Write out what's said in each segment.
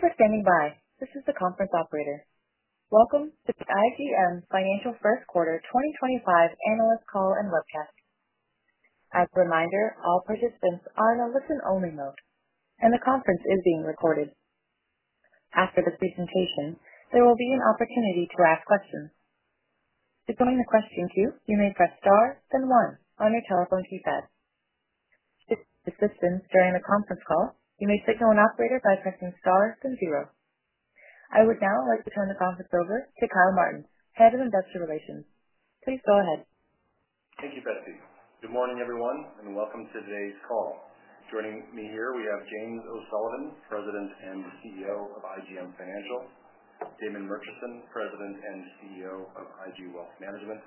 Thank you for standing by. This is the conference operator. Welcome to the IGM Financial First Quarter 2025 Analyst Call and Webcast. As a reminder, all participants are on a listen-only mode, and the conference is being recorded. After the presentation, there will be an opportunity to ask questions. To join the question queue, you may press star then one on your telephone keypad. To get assistance during the conference call, you may signal an operator by pressing star then zero. I would now like to turn the conference over to Kyle Marten, Head of Investor Relations. Please go ahead. Thank you, Betsy. Good morning, everyone, and welcome to today's call. Joining me here, we have James O’Sullivan, President and CEO of IGM Financial; Damon Murchison, President and CEO of IG Wealth Management;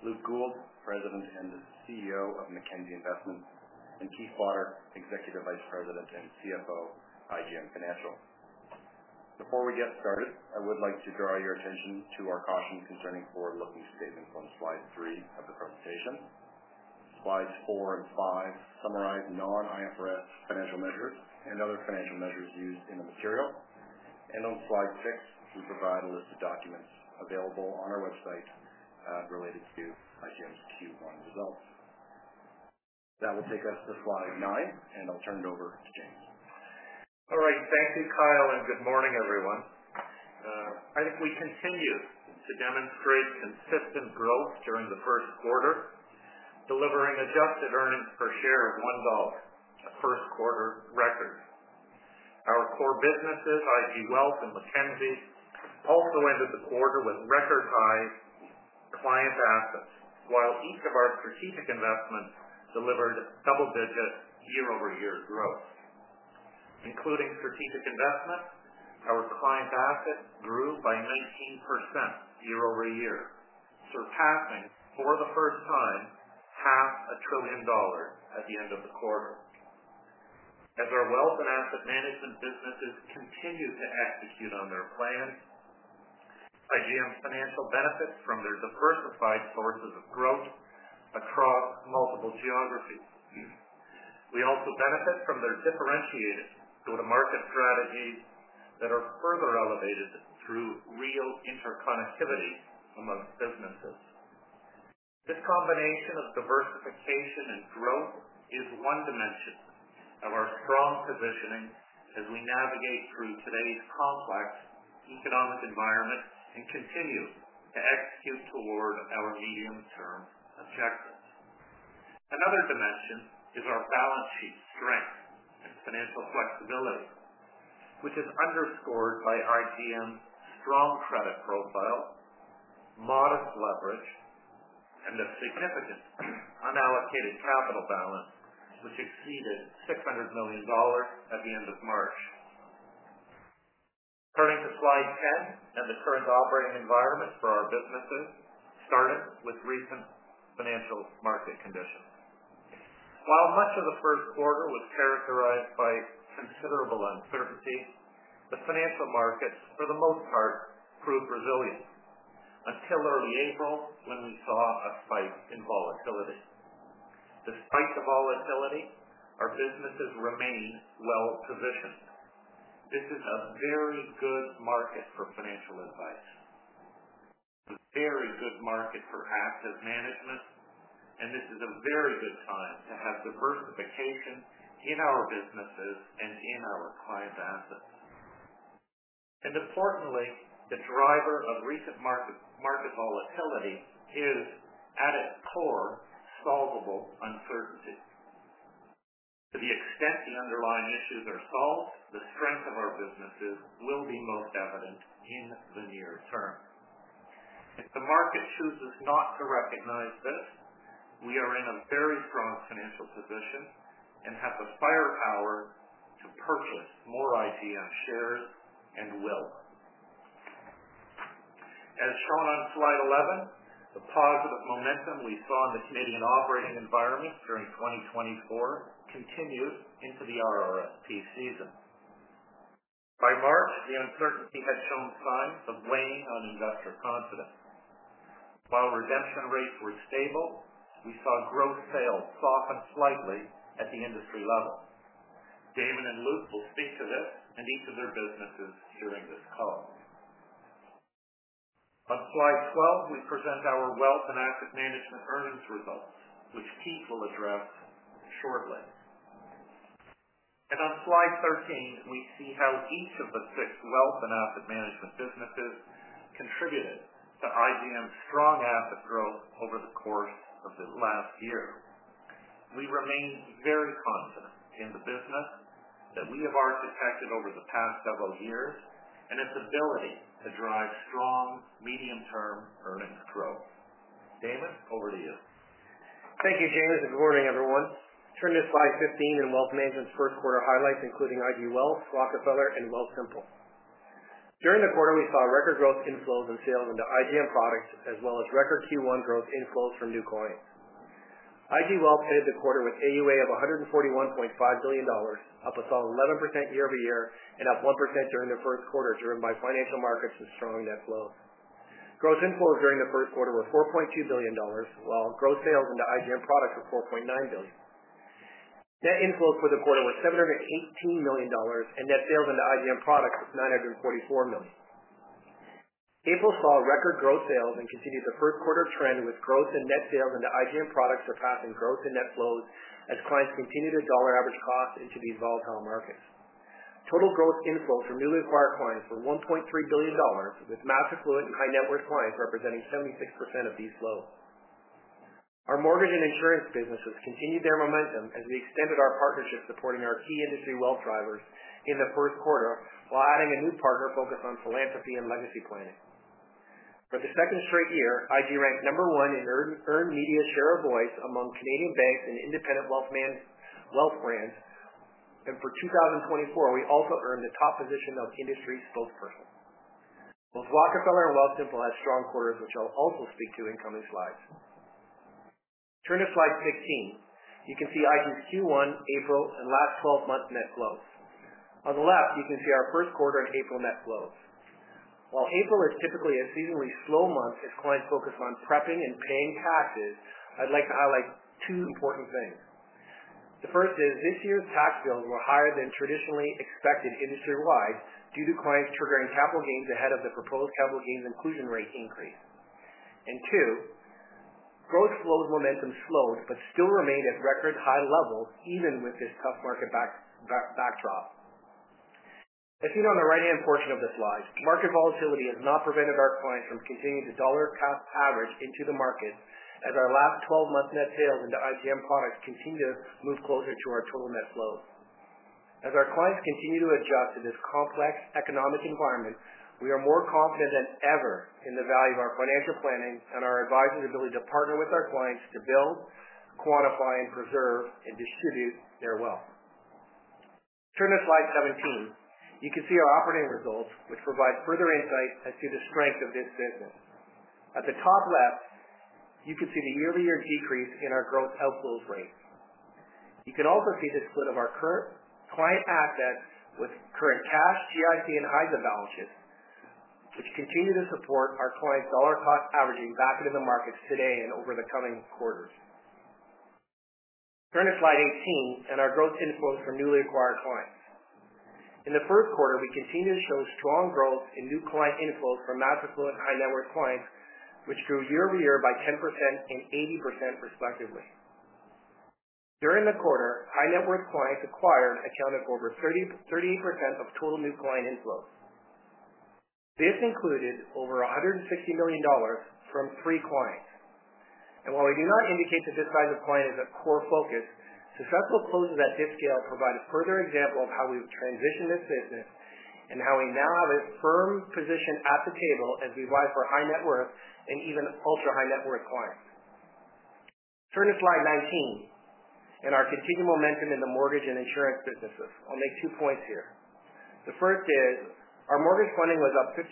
Luke Gould, President and CEO of Mackenzie Investments; and Keith Potter, Executive Vice President and CFO of IGM Financial. Before we get started, I would like to draw your attention to our conference concerning forward-looking statements on slide three of the conversation. Slides four and five summarize non-IFRS financial measures and other financial measures used in the material. On slide six, she provides a list of documents available on our website related to IGM's Q1 results. That will take us to slide nine, and I'll turn it over to James. All right, thank you, Kyle, and good morning, everyone. I think we continue to demonstrate consistent growth during the first quarter, delivering adjusted earnings per share of 1 dollar, a first quarter record. Our core businesses, IG Wealth and Mackenzie, also ended the quarter with record high client assets, while each of our strategic investments delivered double-digit year-over-year growth. Including strategic investments, our client assets grew by 19% year-over-year, surpassing for the first time 500 billion dollars at the end of the quarter. As our wealth and asset management businesses continue to execute on their plans, IGM Financial benefits from their diversified sources of growth across multiple geographies. We also benefit from their differentiated go-to-market strategies that are further elevated through real interconnectivity among businesses. This combination of diversification and growth is one dimension of our strong positioning as we navigate through today's complex economic environment and continue to execute toward our medium-term objectives. Another dimension is our balance sheet strength and financial flexibility, which is underscored by IGM's strong credit profile, modest leverage, and the significant unallocated capital balance, which exceeded 600 million dollars at the end of March. Turning to slide ten and the current operating environment for our businesses, starting with recent financial market conditions. While much of the first quarter was characterized by considerable uncertainties, the financial markets, for the most part, proved resilient until early April, when we saw a spike in volatility. Despite the volatility, our businesses remain well-positioned. This is a very good market for financial advice, a very good market for asset management, and this is a very good time to have diversification in our businesses and in our client assets. Importantly, the driver of recent market volatility is, at its core, solvable uncertainty. To the extent the underlying issues are solved, the strength of our businesses will be most evident in the near term. If the market chooses not to recognize this, we are in a very strong financial position and have the firepower to purchase more IGM shares and wealth. As shown on slide 11, the positive momentum we saw in the Canadian operating environment during 2024 continues into the RRSP season. By March, the uncertainty has shown signs of weighing on investor confidence. While redemption rates were stable, we saw growth tails soften slightly at the industry level. Damon and Luke will speak to this and each of their businesses during this call. On slide 12, we present our wealth and asset management earnings results, which Keith will address shortly. On slide 13, we see how each of the six wealth and asset management businesses contributed to IGM's strong asset growth over the course of the last year. We remain very confident in the business that we have architected over the past several years and its ability to drive strong medium-term earnings growth. Damon, over to you. Thank you, James. Good morning, everyone. Turn to slide 15 and Wealth Management's first quarter highlights, including IG Wealth, Rockefeller, and Wealthsimple. During the quarter, we saw record growth in flows and sales into IGM products, as well as record Q1 growth in flows from new clients. IG Wealth ended the quarter with an AUA of 141.5 billion dollars, up 11% year-over-year and up 1% during the first quarter, driven by financial markets and strong net flows. Growth in flows during the first quarter was 4.2 billion dollars, while gross sales into IGM products were 4.9 billion. Net inflows for the quarter were 718 million dollars, and net sales into IGM products were 944 million. April saw record gross sales and continued the first quarter trend, with gross and net sales into IGM products surpassing gross and net flows as clients continued to dollar-cost average into these volatile markets. Total growth inflows for newly acquired clients were 1.3 billion dollars, with mass affluent and high-net-worth clients representing 76% of these flows. Our mortgage and insurance businesses continued their momentum as we extended our partnership supporting our key industry wealth drivers in the first quarter while adding a new partner focused on philanthropy and legacy planning. For the second straight year, IG ranked number one in earned media share of voice among Canadian banks and independent wealth brands, and for 2024, we also earned the top position of industry spokesperson. Both Rockefeller and Wealthsimple have strong quarters, which I'll also speak to in coming slides. Turn to slide 15. You can see IG's Q1, April, and last 12-month net flows. On the left, you can see our first quarter and April net flows. While April is typically a seasonally slow month as clients focus on prepping and paying taxes, I'd like to highlight two important things. The first is this year's tax bills were higher than traditionally expected industry-wide due to clients triggering capital gains ahead of the proposed capital gains inclusion rate increase. Two, growth flows momentum slowed but still remained at record high levels even with this tough market backdrop. As seen on the right-hand portion of the slide, market volatility has not prevented our clients from continuing to dollar-cost average into the markets as our last 12-month net sales into IGM products continue to move closer to our total net flows. As our clients continue to adjust to this complex economic environment, we are more confident than ever in the value of our financial planning and our advisors' ability to partner with our clients to build, quantify, and preserve and distribute their wealth. Turn to slide 17. You can see our operating results, which provide further insight as to the strength of this business. At the top left, you can see the year-over-year decrease in our gross outflows rates. You can also see the split of our current client assets with current cash, TIC, and ISA balances, which continue to support our clients' dollar-cost averaging back into the markets today and over the coming quarters. Turn to slide 18 and our gross inflows from newly acquired clients. In the first quarter, we continue to show strong growth in new client inflows from massive, fluid, high-net-worth clients, which grew year-over-year by 10% and 80%, respectively. During the quarter, high-net-worth clients acquired accounted for over 38% of total new client inflows. This included over 160 million dollars from three clients. While we do not indicate that this size of client is a core focus, successful closes at this scale provide a further example of how we've transitioned this business and how we now have a firm position at the table as we vie for high-net-worth and even ultra-high-net-worth clients. Turn to slide 19 and our continued momentum in the mortgage and insurance businesses. I'll make two points here. The first is our mortgage funding was up 53%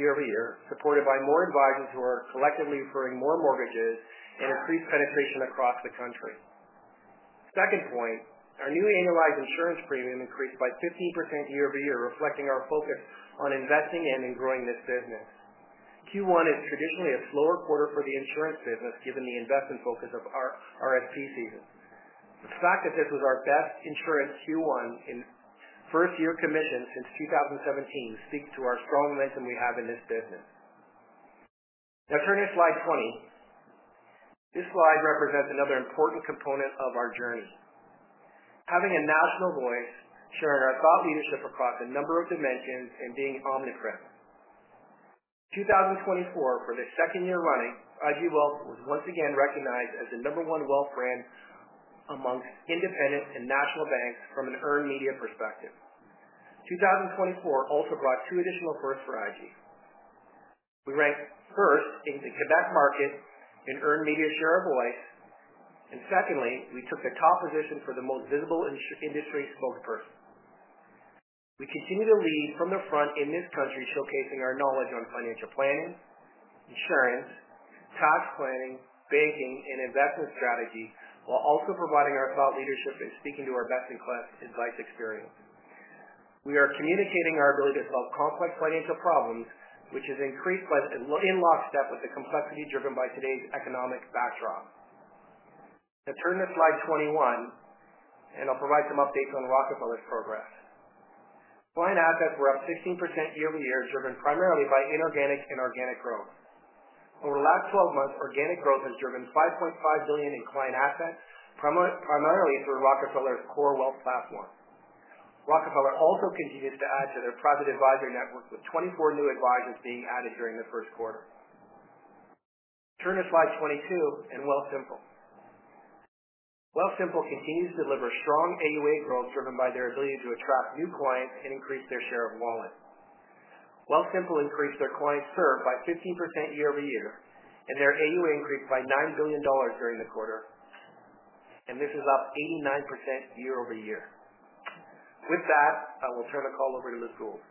year-over-year, supported by more advisors who are collectively referring more mortgages and increased penetration across the country. Second point, our new annualized insurance premium increased by 15% year-over-year, reflecting our focus on investing and growing this business. Q1 is traditionally a slower quarter for the insurance business given the investment focus of our RFP season. The fact that this was our best insurance Q1 in first-year commitments since 2017 speaks to our strong momentum we have in this business. Now, turning to slide 20, this slide represents another important component of our journey. Having a national voice, sharing our thought leadership across a number of dimensions, and being omnipresent. 2024, for the second year running, IG Wealth was once again recognized as the number one wealth brand amongst independent and national banks from an earned media perspective. 2024 also brought two additional growth strategies. We ranked first in the Quebec market in earned media share of voice, and secondly, we took the top position for the most visible industry spokesperson. We continue to lead from the front in this country, showcasing our knowledge on financial planning, insurance, tax planning, banking, and investment strategy, while also providing our thought leadership and speaking to our best-in-class advice experience. We are communicating our ability to solve complex financial problems, which is increased in lockstep with the complexity driven by today's economic backdrop. Now, turn to slide 21, and I'll provide some updates on Rockefeller's progress. Client assets were up 16% year-over-year, driven primarily by inorganic and organic growth. Over the last 12 months, organic growth has driven 5.5 billion in client assets, primarily through Rockefeller's core wealth platform. Rockefeller also continues to add to their private advisory network with 24 new advisors being added during the first quarter. Turn to slide 22 and Wealthsimple. Wealthsimple continues to deliver strong AUA growth driven by their ability to attract new clients and increase their share of wallet. Wealthsimple increased their client serve by 15% year-over-year, and their AUA increased by 9 billion dollars during the quarter, and this is up 89% year-over-year. With that, I will turn the call over to Luke Gould.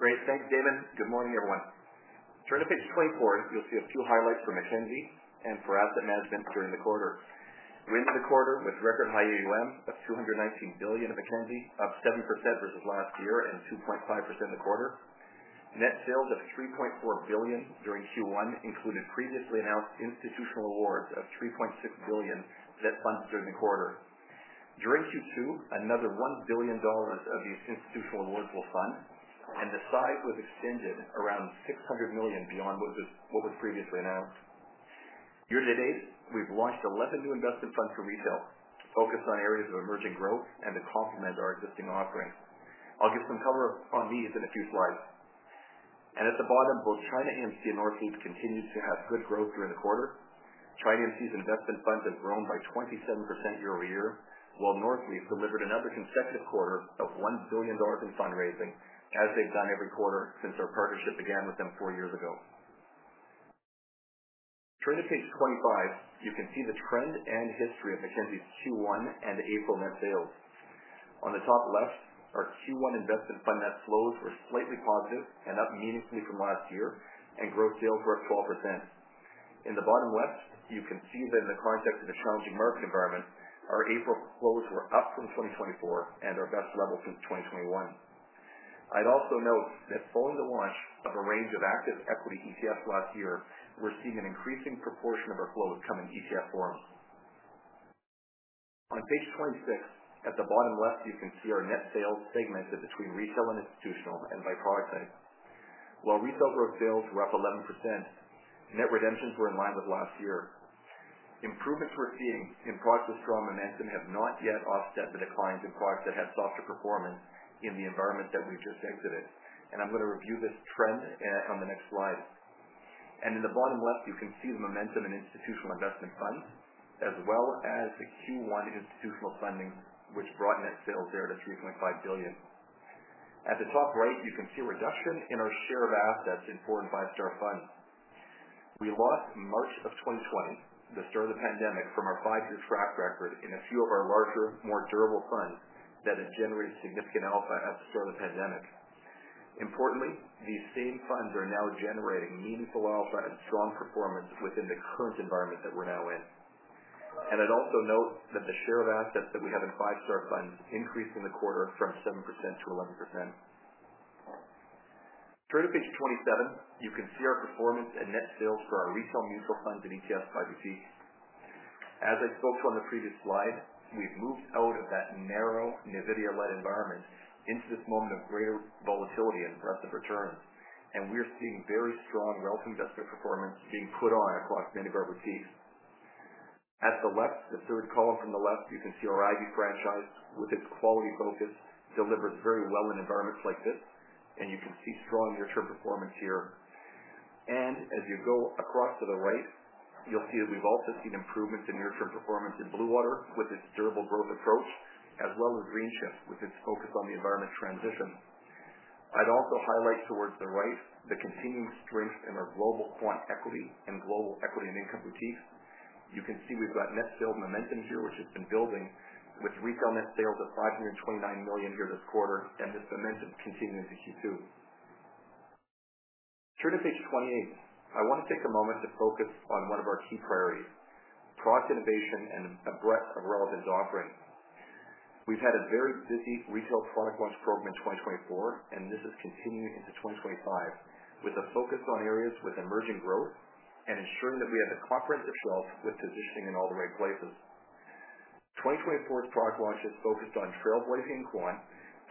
Great. Thanks, Damon. Good morning, everyone. Turning to page 24, you'll see a few highlights for Mackenzie and for asset management during the quarter. We ended the quarter with record high AUM of 219 billion of Mackenzie, up 7% versus last year and 2.5% in the quarter. Net sales of 3.4 billion during Q1 included previously announced institutional awards of 3.6 billion to net funds during the quarter. During Q2, another 1 billion dollars of these institutional awards will fund, and the size was extended around 600 million beyond what was previously announced. Year to date, we've launched 11 new investment funds for retail focused on areas of emerging growth and to complement our existing offering. I'll give some cover on these in a few slides. At the bottom, both ChinaAMC and Northeast continue to have good growth during the quarter. ChinaAMC's investment funds have grown by 27% year-over-year, while Northeast delivered another consecutive quarter of 1 billion dollars in fundraising, as they've done every quarter since our partnership began with them four years ago. Turning to page 25, you can see the trend and history of Mackenzie's Q1 and April net sales. On the top left, our Q1 investment fund net flows were slightly positive and up meaningfully from last year, and growth sales were up 12%. In the bottom left, you can see that in the context of the challenging market environment, our April flows were up from 2024 and our best level since 2021. I'd also note that following the launch of a range of active equity ETFs last year, we're seeing an increasing proportion of our flows come in ETF form. On page 26, at the bottom left, you can see our net sales segmented between retail and institutional and by product type. While retail growth sales were up 11%, net redemptions were in line with last year. Improvements we're seeing in products with strong momentum have not yet offset the declines in products that have softer performance in the environment that we just exited. I'm going to review this trend on the next slide. In the bottom left, you can see the momentum in institutional investment funds, as well as the Q1 institutional funding, which brought net sales there to 3.5 billion. At the top right, you can see a reduction in our share of assets in foreign five-star funds. We lost March of 2020, the start of the pandemic, from our five-year track record in a few of our larger, more durable funds that have generated significant alpha at the start of the pandemic. Importantly, these same funds are now generating meaningful alpha and strong performance within the current environment that we're now in. I'd also note that the share of assets that we have in five-star funds increased in the quarter from 7% to 11%. Turning to page 27, you can see our performance and net sales for our retail mutual funds and ETFs by receipt. As I spoke on the previous slide, we've moved out of that narrow, NVIDIA-led environment into this moment of greater volatility and threats of return. We are seeing very strong wealth investment performance being put on across Vanguard receipts. At the left, the third column from the left, you can see our IG franchise with its quality focus delivers very well in environments like this, and you can see strong near-term performance here. As you go across to the right, you'll see that we've also seen improvements in near-term performance in Bluewater with its durable growth approach, as well as GreenShift with its focus on the environment transition. I'd also highlight towards the right the continued strength in our Global Quant Equity and Global Equity and Income receipts. You can see we've got net sales momentum here, which has been building, with retail net sales of 529 million here this quarter, and this momentum continues in Q2. Turning to page 28, I want to take a moment to focus on one of our key priorities: product innovation and a breadth of relevance offering. We've had a very busy regional product launch program in 2024, and this is continuing into 2025, with a focus on areas with emerging growth and ensuring that we have the confidence of self with positioning in all the right places. 2024's product launch is focused on trailblazing in quant,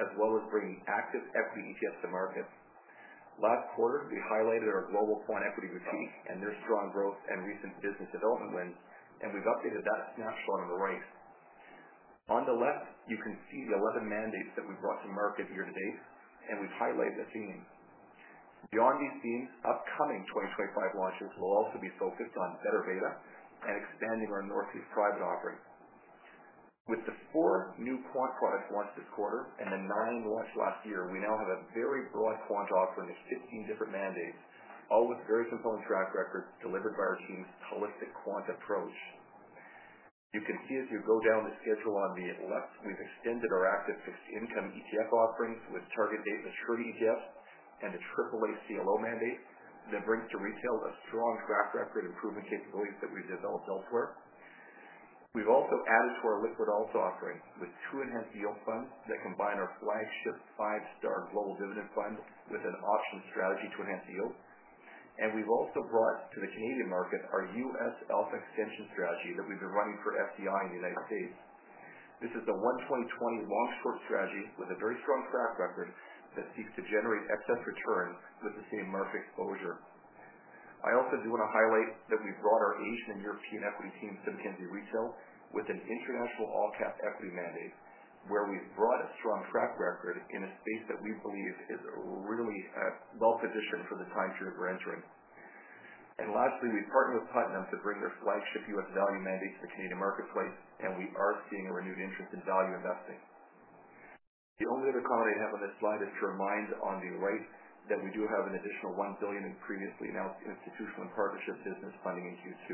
as well as bringing active equity ETFs to market. Last quarter, we highlighted our Global Quant Equity receipts and their strong growth and recent business development wave, and we've updated that snapshot on the right. On the left, you can see the 11 mandates that we brought to market year to date, and we've highlighted this evening. Beyond these themes, upcoming 2025 launches will also be focused on better beta and expanding our Northeast private offering. With the four new quant products launched this quarter and the nine launched last year, we now have a very broad quant offering of 15 different mandates, all with very compelling track records delivered by our team's holistic quant approach. You can see as you go down the schedule on the left, we've extended our active fixed income ETF offerings with target date maturity ETF and the AAA CLO mandates that bring to retail a strong track record and improvement capabilities that we've developed elsewhere. We have also added to our liquid alts offering with two enhanced yield funds that combine our flagship five-star Global Dividend Fund with an optional strategy to enhance yield. We have also brought to the Canadian market our U.S. Alpha Extension Strategy that we've been running for FDI in the United States. This is the 1-20-20 long-short strategy with a very strong track record that seeks to generate excess returns with the same market exposure. I also do want to highlight that we brought our Asian and European Equity Teams to Mackenzie retail with an International All-Cap Equity Mandate, where we've brought a strong track record in a space that we believe is really well-positioned for the client share we're entering. Lastly, we partnered with Putnam to bring their flagship U.S. Value Mandates to the Canadian marketplace, and we are seeing a renewed interest in value investing. The only other comment I have on this slide is to remind on the right that we do have an additional 1 billion in previously announced institutional and partnership business funding in Q2.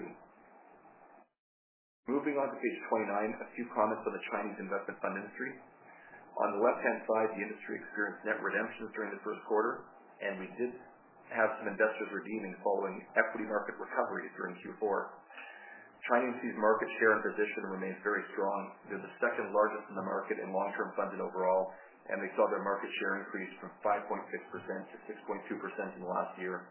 Moving on to page 29, a few comments on the Chinese investment fund industry. On the left-hand side, the industry experienced net redemptions during the first quarter, and we did have some investment redeeming following equity market recoveries during Q4. ChinaAMC's market share and position remains very strong. They're the second largest in the market in long-term funding overall, and they saw their market share increase from 5.6% to 6.2% in the last year.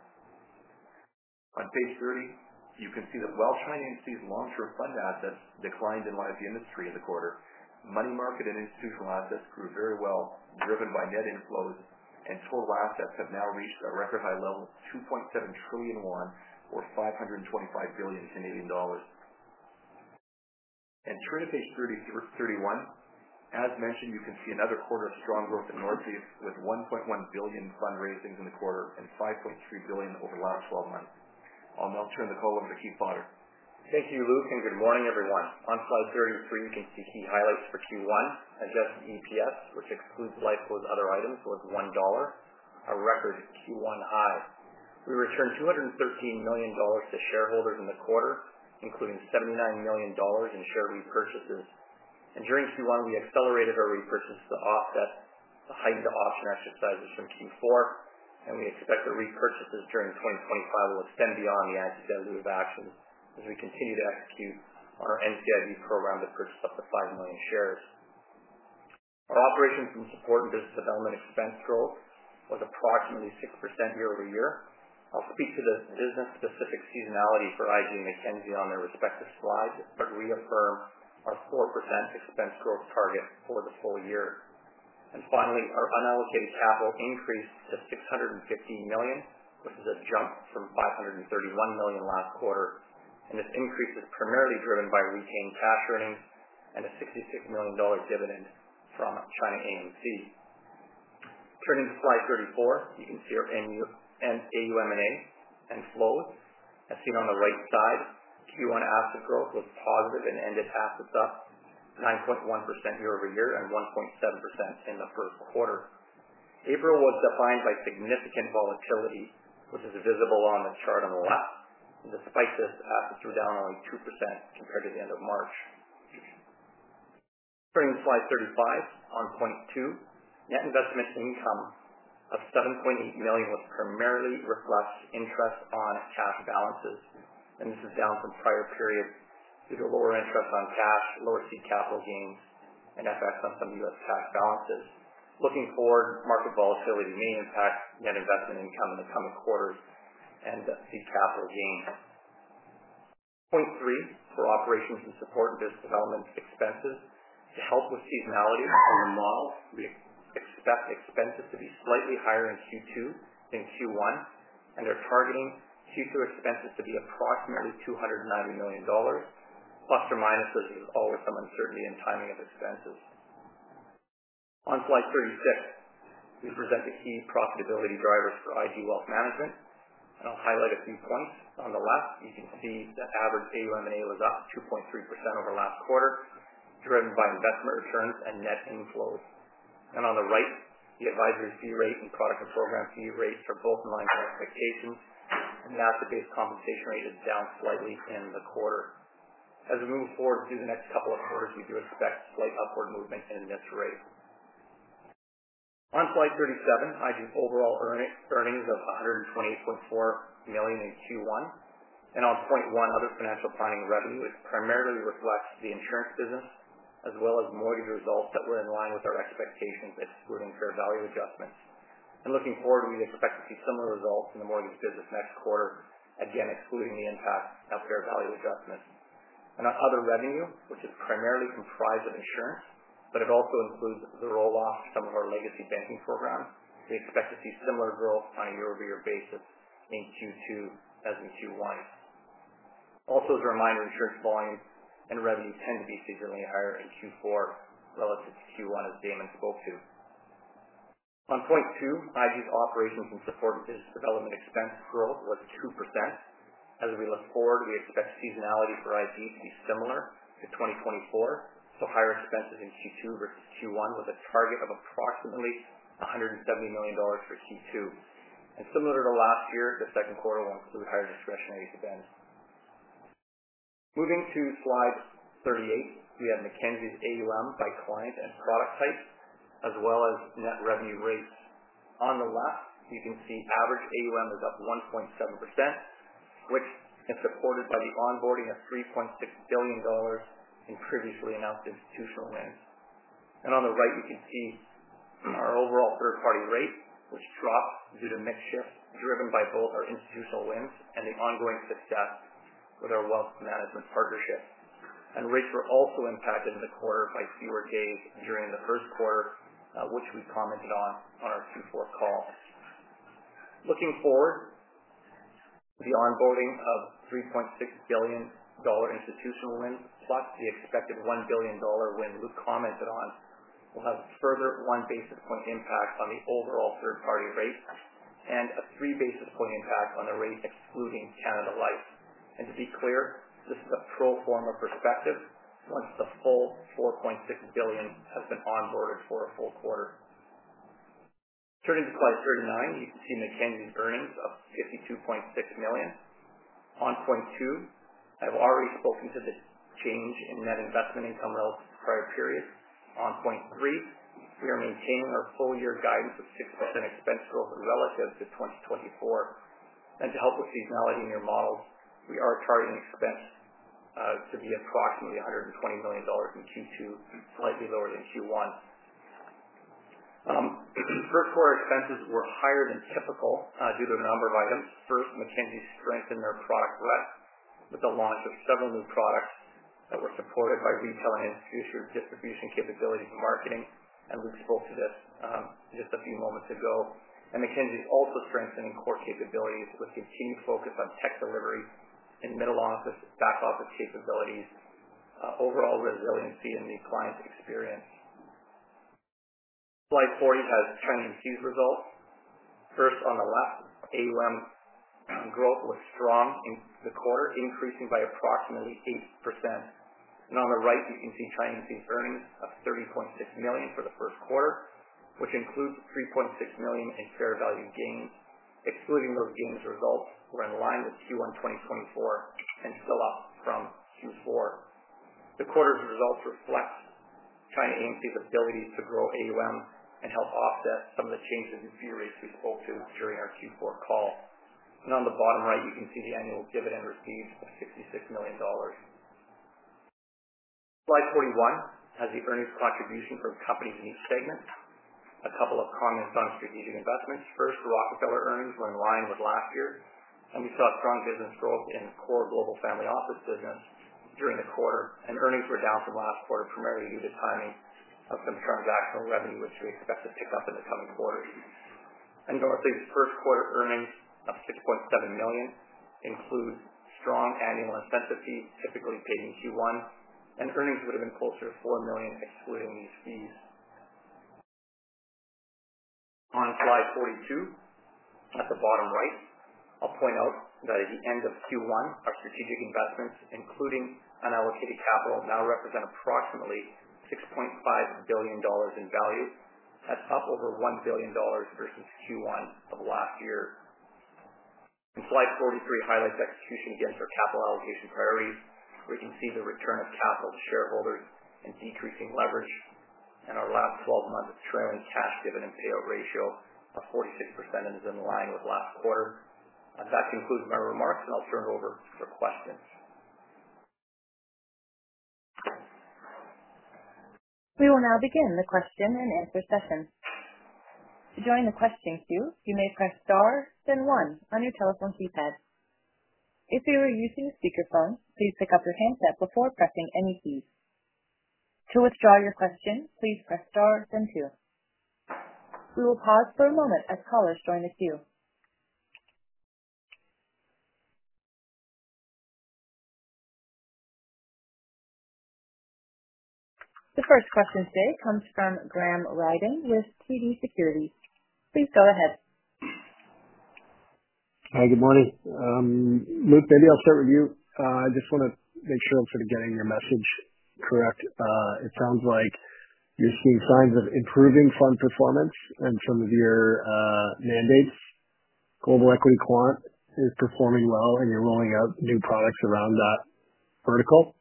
On page 30, you can see that while ChinaAMC's long-short fund assets declined in live industry in the quarter, money market and institutional assets grew very well, driven by net inflows, and total assets have now reached a record high level of CNY 2.7 trillion or 525 billion Canadian dollars. Turning to page 30 through 31, as mentioned, you can see another quarter of strong growth in Northeast with 1.1 billion in fundraising in the quarter and 5.3 billion over the last 12 months. I'll now turn the call over to Keith Potter. Thank you, Luke, and good morning, everyone. On slide 33, you can see key highlights for Q1. Adjusted EPS, which includes live close other items, was 1 dollar, our record Q1 high. We returned 213 million dollars to shareholders in the quarter, including 79 million dollars in share repurchases. During Q1, we accelerated our repurchases to offset the heightened offset exercises from Q4, and we expect our repurchases during 2025 will extend beyond the agitated loop of actual as we continue to execute our MCIV program to purchase up to 5 million shares. Our operations from support and business development expense growth was approximately 6% year-over-year. I will speak to this business-specific seasonality for IG and Mackenzie on their respective slides, but reaffirm our 4% expense growth target for the full year. Finally, our unallocated capital increased to 615 million, which is a jump from 531 million last quarter. This increase is primarily driven by retained cash earnings and a 66 million dollar dividend from ChinaAMC. Turning to slide 34, you can see our AUM&A and flows, as seen on the right side. Q1 asset growth was positive and ended half a duck, 9.1% year-over-year and 1.7% in the first quarter. April was defined by significant volatility, which is visible on the chart on the left. The spicest assets were down only 2% compared to the end of March. Turning to slide 35, on point two, net investment income of 7.8 million primarily reflects interest on cash balances, and this is down from prior periods due to lower interest on cash, lower seed capital gains, and FX lumped on U.S. cash balances. Looking forward, market volatility may impact net investment income in the coming quarters and seed capital gains. Point three for operations and support and business development expenses to help with seasonality over the model, we expect expenses to be slightly higher in Q2 than Q1, and are targeting Q2 expenses to be approximately 290 million dollars, plus or minus as you always have some uncertainty in timing of expenses. On slide 36, we present the key profitability drivers for IG Wealth Management, and I'll highlight a few points. On the left, you can see that average AUM&A was up 2.3% over the last quarter, driven by investment returns and net inflows. On the right, the advisory fee rate and product control grant fee rates are both in line for expectation, and the base compensation rate is down slightly in the quarter. As we move forward through the next couple of quarters, we do expect slight upward movements in the net rate. On slide 37, IG's overall earnings of 128.4 million in Q1, and on point one, other financial planning revenue primarily reflects the insurance business, as well as mortgage results that were in line with our expectations excluding fair value adjustments. I am looking forward to the expectancy of similar results in the mortgage business next quarter, again excluding the impact of fair value adjustments. On other revenue, which is primarily comprised of insurance, but it also includes Zerola, some of our legacy banking program, we expect to see similar growth on a year-over-year basis in Q2 as in Q1. Also, as a reminder, insurance volume and revenue tend to be seasonally higher in Q4 relative to Q1, as Damon spoke to. On point two, IG's operations and support and business development expense growth was 2%. As we look forward, we expect seasonality for IG to be similar to 2024, so higher expenses in Q2 versus Q1 with a target of approximately 170 million dollars for Q2. Similar to last year, the second quarter will include higher discretionary expense. Moving to slide 38, we have Mackenzie's AUM by client and product types, as well as net revenue rates. On the left, you can see average AUM is up 1.7%, which is supported by the onboarding of 3.6 billion dollars in previously announced institutional wins. On the right, you can see our overall third-party rate, which dropped due to mix shifts driven by both our institutional wins and the ongoing success with our wealth management partnership. Rates were also impacted in the quarter by fewer gains during the first quarter, which we commented on on our Q4 call. Looking forward, the onboarding of 3.6 billion dollar institutional wins, but the expected 1 billion dollar win Luke commented on, will have a further one basis point impact on the overall third-party rate and a three basis point impact on the rate excluding Canada Life. To be clear, this is a pro forma perspective once the full 4.6 billion has been onboarded for a full quarter. Turning to slide 39, you can see Mackenzie's earnings of 52.6 million. On point two, I've already spoken to this change in net investment income relative to prior periods. On point three, we are maintaining our full year guidance of 6% expense growth relative to 2024. To help with seasonality in your model, we are targeting expense to be approximately 120 million dollars in Q2, slightly lower than Q1. First quarter expenses were higher than typical due to a number of items. First, Mackenzie's strength in their product breadth with the launch of several new products that were supported by retail and institutional distribution capabilities and marketing. Luke spoke to this just a few moments ago. Mackenzie has also strengthened core capabilities with continued focus on tech delivery and middle office and back office capabilities. Overall, we are willing to see a new client experience. Slide 40 has ChinaAMC's results. First, on the left, AUM growth was strong in the quarter, increasing by approximately 8%. On the right, you can see ChinaAMC's earnings of 30.6 million for the first quarter, which includes 3.6 million in fair value gain. Excluding those gains, results were in line with Q1 2024 and still up from Q4. The quarter's results reflect ChinaAMC's ability to grow AUM and help offset some of the changes in fee rates we spoke to during our Q4 call. On the bottom right, you can see the annual dividend receipts of 66 million dollars. Slide 41 has the earnings contribution for company needs statements. A couple of comments on strategic investments. First, Rockefeller earnings were in line with last year, and we saw strong business growth in core global family office divisions during the quarter. Earnings were down from last quarter primarily due to timing of some transactional revenue, which we expect to pick up in the coming quarter. Northeast's first quarter earnings of 6.7 million include strong annual intensity typically paid in Q1, and earnings would have been closer to 4 million excluding these fees. On slide 42, at the bottom right, I'll point out that at the end of Q1, our strategic investments, including unallocated capital, now represent approximately 6.5 billion dollars in value. That's up over 1 billion dollars versus Q1 of last year. Slide 43 highlights execution again for capital allocation priorities. We can see the return of capital to shareholders and decreasing leverage. Our last 12 months of trailing cash dividend payout ratio of 46% is in line with last quarter. That concludes my remarks, and I'll turn it over to the questions. We will now begin the question and answer session. To join the question queue, you may press star then one on your telephone keypad. If you are using a speakerphone, please pick up your handset before pressing any key. To withdraw your question, please press star then two. We will pause for a moment as callers join the queue. The first question today comes from Graham Ryding with TD Securities. Please go ahead. Hi, good morning. Luke Gould, I'll start with you. I just want to make sure I'm getting your message. It sounds like you're seeing signs of improving fund performance on some of your mandates. Global Quant Equity is performing well, and you're rolling out new products around that vertical.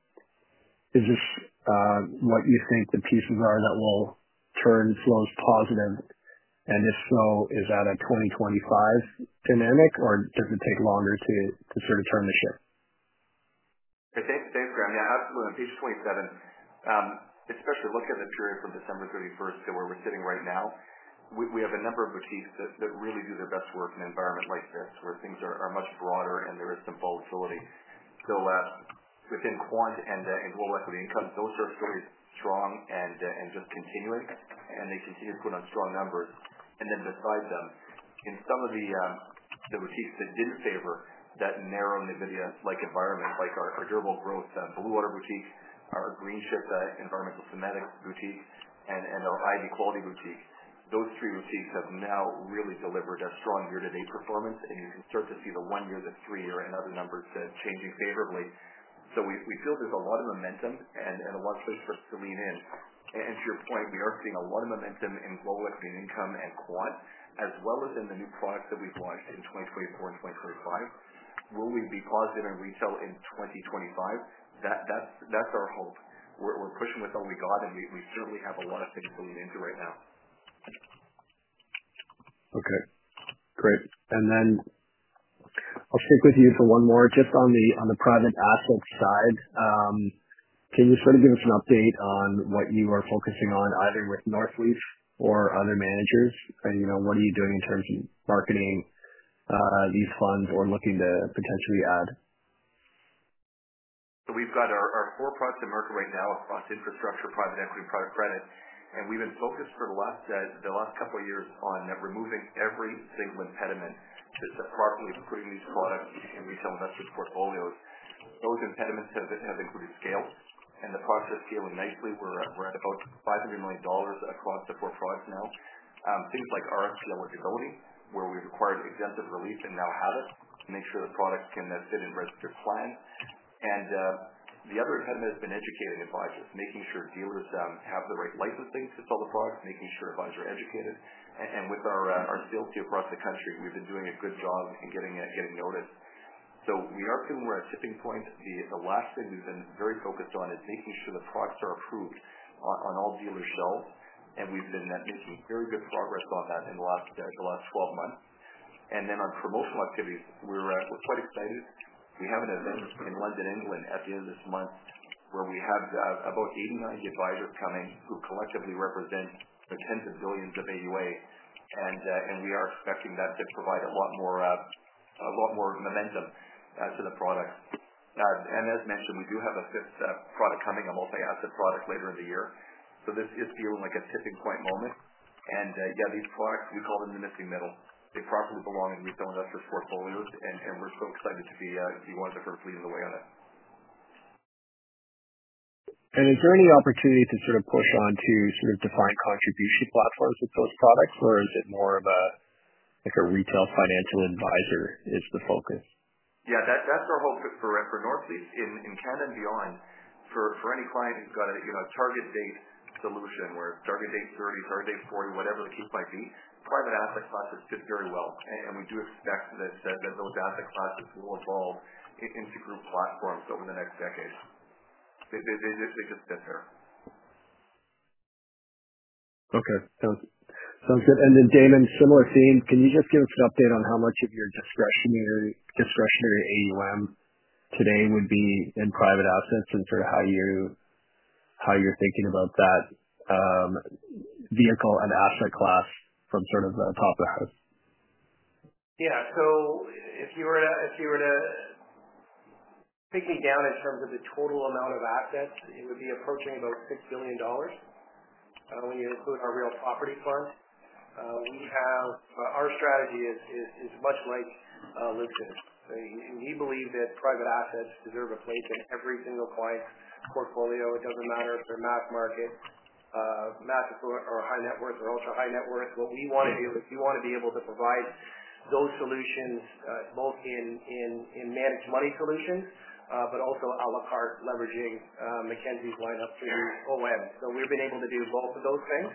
Is this what you think the pieces are that will turn flows positive? If so, is that a 2025 dynamic, or does it take longer to sort of turn the ship? Okay, thanks, Graham. Yeah, absolutely. On page 27, especially looking at the period from December 31 to where we're sitting right now, we have a number of boutiques that really do their best work in an environment like this, where things are much broader and there is some volatility. Within Quant and Global Equity Income, those are stories strong and just continuing, and they continue to put on strong numbers. Then beside them, you know, some of the boutiques that did not favor that narrow NVIDIA-like environment, like our durable growth Bluewater boutique, our GreenShift environmental thematic boutique, and our ID Quality boutiques, those three boutiques have now really delivered a strong year-to-date performance, and you can start to see the one year, the three year, and other numbers changing favorably. We feel there is a lot of momentum and a lot of places for us to lean in. To your point, we are seeing a lot of momentum in Global Equity Income and Quant, as well as in the new products that we have launched in 2024 and 2025. Will we be positive in retail in 2025? That is our hope. We are pushing with all we have got, and we certainly have a lot of things to lean into right now. Okay, great. I will stick with you for one more, just on the private asset side. Can you sort of give us an update on what you are focusing on, either with Northeast or other managers? What are you doing in terms of marketing these funds or looking to potentially add? We have got our core product to market right now, which is Quant Infrastructure Private Equity Product Credit. We have been focused for the last couple of years on removing every single impediment since the quarter we have included these products in retail investment portfolios. Those impediments have included scale, and the costs are scaling nicely. We are at about 500 million dollars across the four products now. Things like RX and eligibility, where we required exempted release and now have it, to make sure the products can sit in registered plan. The other impediment has been educating advisors, making sure dealers have the right licensing to sell the products, making sure advisors are educated. With our sales team across the country, we have been doing a good job in getting notice. We are putting where our tipping point. The last thing we have been very focused on is making sure the products are approved on all dealers' shelves. We have been making very good progress on that in the last 12 months. On promotional activities, we are quite excited. We have an event in London, England, at the end of this month, where we have about 89 advisors coming who collectively represent the tens of billions of AUA. We are expecting that to provide a lot more momentum to the products. As mentioned, we do have a fifth product coming, a multi-asset product later in the year. This is feeling like a tipping point moment. These products, we call them the missing middle. They probably belong in retail investors' portfolios, and we are so excited to see one of the first leaders away on it. Is there any opportunity to sort of push on to sort of define contribution platforms to those products, or is it more of a, I think, a retail financial advisor is the focus? Yeah, that's our hope for Northeast in Canada and beyond. For any client who's got a target date solution, where target date 30, target date 40, whatever the key pricing, private asset classes fit very well. We do expect that those asset classes will evolve into group platforms over the next decade. They just sit there. Okay, sounds good. Then, Damon, similar theme, can you just give us an update on how much of your discretionary AUM today would be in private assets and sort of how you're thinking about that vehicle and asset class from sort of the top of the house? Yeah, so if you were to pick me down in terms of the total amount of assets, it would be approaching about 6 billion dollars when you include our real property fund. Our strategy is much like Luke's. We believe that private assets deserve a place in every single client's portfolio. It doesn't matter if they're mass market, mass or high net worth, or ultra high net worth. We want to be able to provide those solutions both in managed money solutions, but also à la carte leveraging Mackenzie's lineup to use OM. We have been able to do both of those things,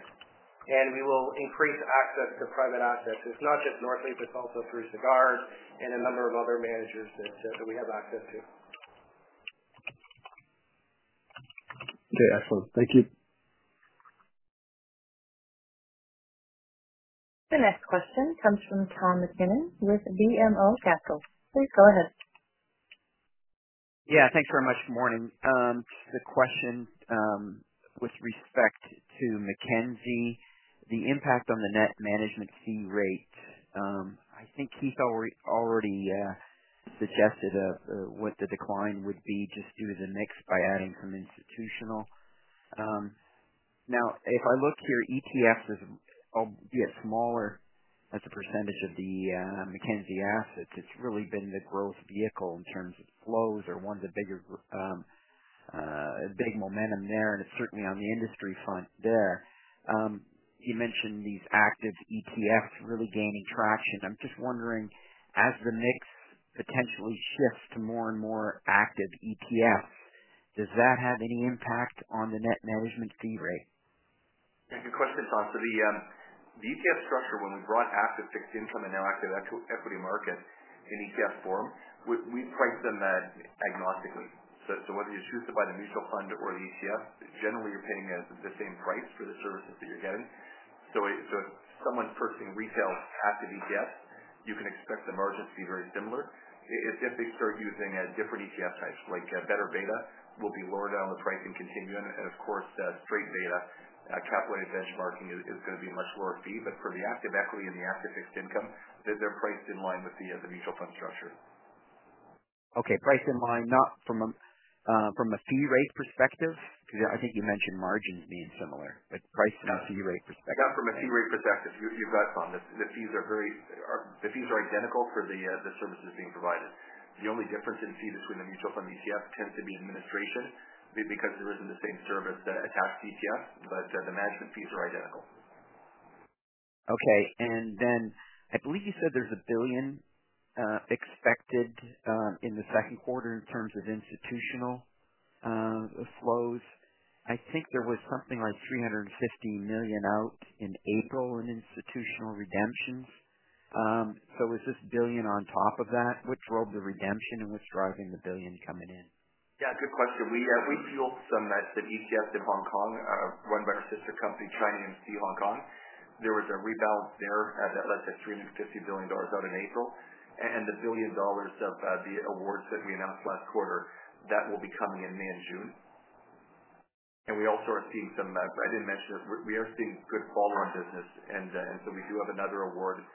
and we will increase access to private assets. It's not just Northeast, it's also Cruz Sagar and a number of other managers that we have access to. Okay, excellent. Thank you. The next question comes from Tom MacKinnon with BMO Capital Markets. Please go ahead. Yeah, thanks very much. Good morning. The question with respect to Mackenzie, the impact on the net management fee rate. I think Keith already suggested what the decline would be just due to the mix by adding some institutional. Now, if I look here, ETFs are smaller as a percentage of the Mackenzie assets. It's really been the growth vehicle in terms of flows or one of the big momentum there, and it's certainly on the industry front there. You mentioned these active ETFs really gaining traction. I'm just wondering, as the mix potentially shifts to more and more active ETFs, does that have any impact on the net management fee rate? That's a good question, Tom. The ETF structure, when we brought active fixed income and now active equity market in ETF form, we priced them agnostically. Whether you choose to buy the mutual fund or the ETF, generally you're paying the same price for the services that you're getting. If someone's purchasing retail active ETFs, you can expect the margins to be very similar. If they start using different ETF types, like better beta, it will be lower down the price and continue. Of course, straight beta, cap-weighted benchmarking is going to be a much lower fee. For the active equity and the active fixed income, they're priced in line with the mutual fund structure. Priced in line, not from a fee rate perspective? I think you mentioned margins being similar, but priced in a fee rate perspective. From a fee rate perspective, you've got some. The fees are identical for the services being provided. The only difference in fee between the mutual fund and ETF tends to be administration because there isn't the same service attached to ETF, but the management fees are identical. Okay, and then I believe you said there's a billion expected in the second quarter in terms of institutional flows. I think there was something like 350 million out in April in institutional redemptions. Was this billion on top of that? What drove the redemption and what's driving the billion coming in? Good question. We fueled some of that ETF in Hong Kong, run by our sister company ChinaAMC Hong Kong. There was a rebalance there that led to 350 million dollars out in April. The billion dollars of the awards that we announced last quarter, that will be coming in May and June. We also are seeing some, as I mentioned, we are seeing good fall in our business. We do have another award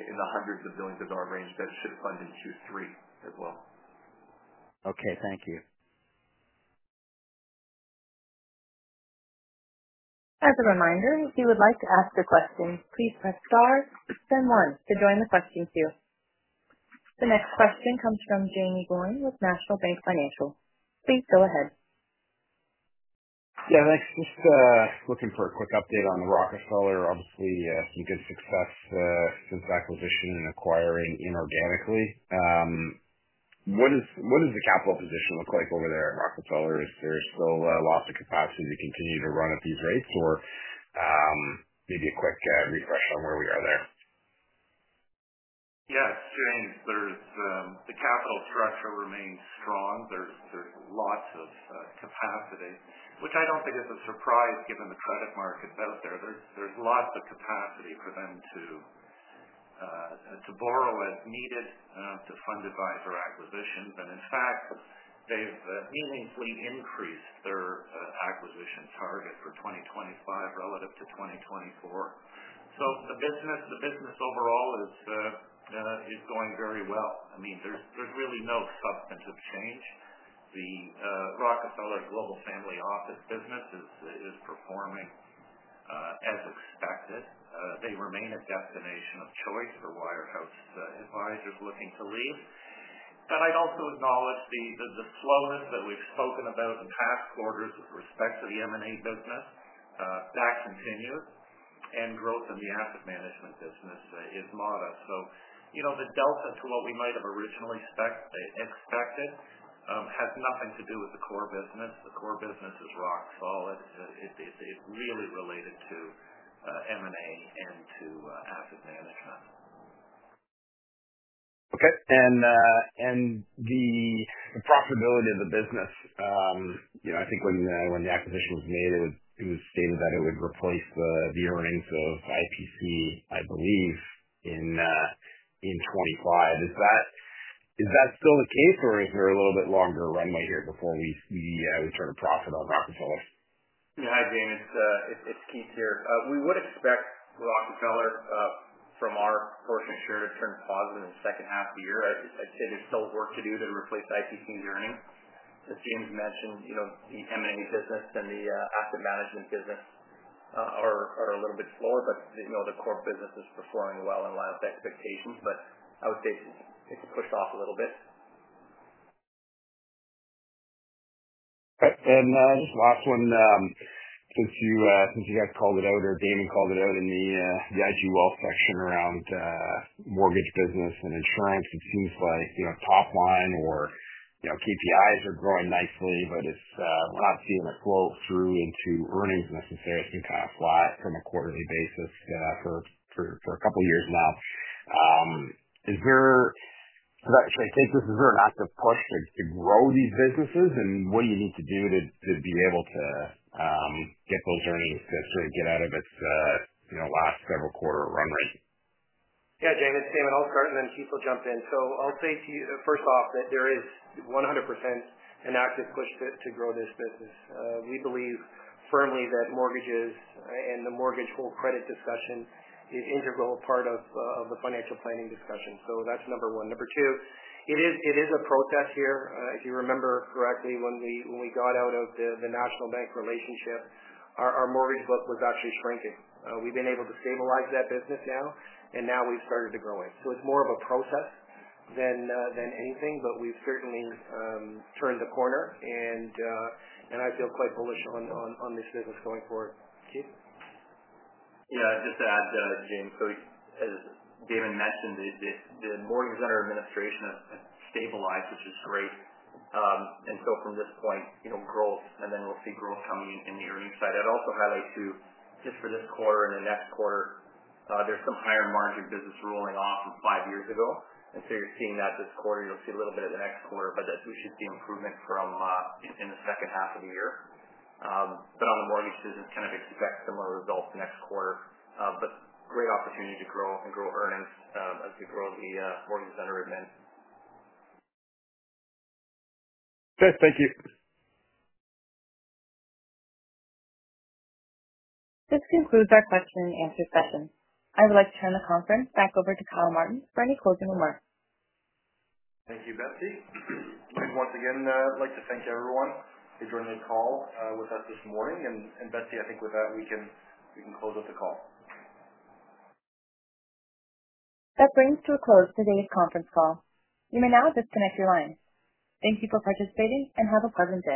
in the hundreds of billions of dollar range that should fund in Q3 as well. Okay, thank you. As a reminder, if you would like to ask a question, please press star then one to join the question queue. The next question comes from Jaeme Gloyn with National Bank Financial. Please go ahead. Yeah, thanks. Just looking for a quick update on Rockefeller, obviously a good success since acquisition and acquiring inorganically. What does the capital position look like over there at Rockefeller? Is there still a lot of capacity to continue to run at these rates, or maybe a quick refresh on where we are there? Yeah, it's seeing the capital structure remains strong. There's lots of capacity, which I don't think is a surprise given the credit markets out there. There's lots of capacity for them to borrow as needed, to fund advisor acquisitions. In fact, they've meaningfully increased their acquisition target for 2025 relative to 2024. The business overall is going very well. I mean, there's really no substantive change. The Rockefeller Global Family Office business is performing as expected. They remain a destination of choice for wirehouse advisors looking to leave. I'd also acknowledge the flow-in that we've spoken about in past quarters with respect to the M&A business back continues. Growth in the asset management business is modest. The delta to what we might have originally expected has nothing to do with the core business. The core business is Rockefeller. It's really related to M&A and to asset management. Okay, and the profitability of the business, I think when the acquisition was made, it was stated that it would replace the earnings of IPC, I believe, in 2025. Is that still the case or are we for a little bit longer runway here before we sort of profit on Rockefeller? Yeah, hi, Jaeme. It's Keith here. We would expect Rockefeller from our reports and experience to turn positive in the second half of the year. I'd say there's still work to do to replace IPC's earnings. As James mentioned, the M&A business and the asset management business are a little bit slower, but the core business is performing well in line with expectations. I would say it's pushed off a little bit. Okay, and last one, since you guys called it out or Damon called it out in the IG Wealth section around mortgage business and insurance, it seems like top line or KPIs are growing nicely, but we're not seeing a flow through into earnings necessarily that's been kind of flat from a quarterly basis for a couple of years now. I think this is an active push to grow these businesses, and what do you need to do to be able to get those earnings to sort of get out of its last several quarter run rate? Yeah, Jaeme, it's Damon Murchison, and then Keith will jump in. I'll say to you, first off, that there is 100% an active push to grow this business. We believe firmly that mortgages and the mortgage hold credit discussion is an integral part of the financial planning discussion. That's number one. Number two, it is a protest here. If you remember correctly, when we got out of the National Bank relationship, our mortgage book was actually shrinking. We've been able to stabilize that business now, and now we've started to grow it. It is more of a process than anything, but we've certainly turned the corner, and I feel quite bullish on this business going forward. Keith? Yeah, just to add, James, as Damon mentioned, the mortgage runner administration has stabilized, which is great. From this point, growth, and then we'll see growth coming in the early side. I'd also add just for this quarter and the next quarter, there's some higher margin business rolling off from five years ago. You are seeing that this quarter, you'll see a little bit of the next quarter, but that is just the improvement from in the second half of the year. On the mortgage business, it is going to be exactly similar results the next quarter. Great opportunity to grow and grow earnings as we grow the mortgage vendor event. Thank you. This concludes our question and answer session. I would like to turn the conference back over to Kyle Martens for any closing remarks. Thank you, Betsy. Once again, I would like to thank everyone who joined the call with us this morning. Betsy, I think with that, we can close out the call. That brings to a close today's conference call. You may now disconnect your line. Thank you for participating and have a pleasant day.